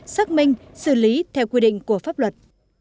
xác minh xử lý theo quy định của pháp luật